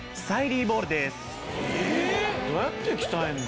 どうやって鍛えるの？